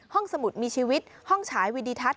สมุดมีชีวิตห้องฉายวิดิทัศน